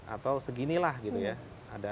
atau seginilah gitu ya